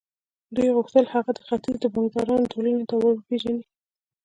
دوی غوښتل هغه د ختیځ د بانکدارانو ټولنې ته ور وپېژني